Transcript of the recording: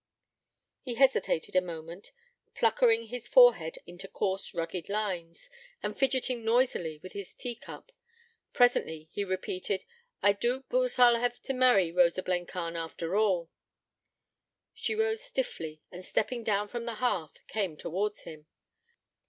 He hesitated a moment, puckering his forehead into coarse rugged lines, and fidgeting noisily with his tea cup. Presently he repeated: 'I doot but what I'll hev t' marry Rosa Blencarn after all.' She rose stiffly, and stepping down from the hearth, came towards him.